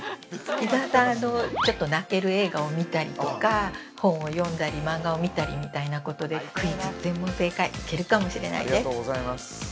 伊沢さん、ちょっと泣ける映画を見たりとか、本を読んだり、漫画を見たりみたいなことで、クイズ、全問正解、いけるかもしれないです。